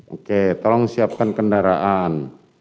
oke tolong siapkan kendaraan